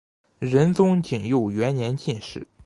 仁宗景佑元年进士。